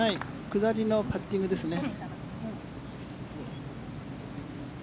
下りのパッティングですね。